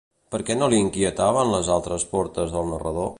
Per què no l'inquietaven les altres portes al narrador?